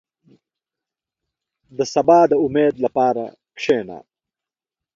• د سبا د امید لپاره کښېنه.